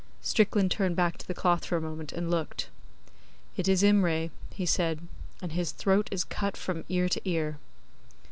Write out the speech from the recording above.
Strickland turned back the cloth for a moment, and looked. 'It is Imray,' he said; 'and his throat is cut from ear to ear.